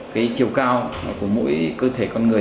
cái chiều cao của mỗi cơ thể con người